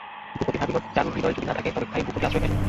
ভূপতি ভাবিল, চারুর হৃদয় যদি না থাকে তবে কোথায় ভূপতি আশ্রয় পাইবে।